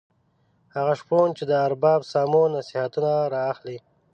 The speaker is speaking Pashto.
هغه شپون چې د ارباب سامو نصیحتونه را اخلي.